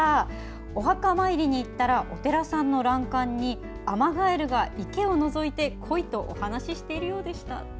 お墓まいりに行ったらお寺さんの欄干に雨がえるが池をのぞいてこいとお話しているようでした。